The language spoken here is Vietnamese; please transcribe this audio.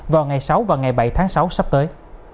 vào ngày sáu và ngày bảy tháng sáu sắp tới